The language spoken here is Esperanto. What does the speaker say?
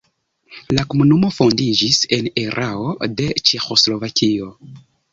La komunumo fondiĝis en erao de Ĉeĥoslovakio.